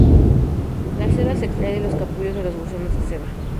La seda se extrae de los capullos de los gusanos de seda.